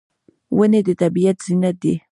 ونې د طبیعت زینت دي.